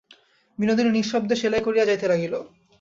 বিনোদিনী নিঃশব্দে সেলাই করিয়া যাইতে লাগিল।